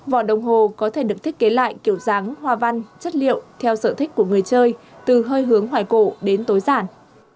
vỏ đồng hồ có thể được thiết kế lại kiểu dáng hoa văn chất liệu theo sở thích của người chơi từ hơi hướng hoài cổ đến tối giản